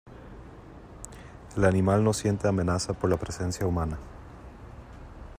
el animal no siente amenaza por la presencia humana.